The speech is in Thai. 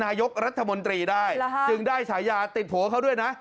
นายกรัฐมนตรีได้จึงได้ฉายาติดผัวเขาด้วยนะ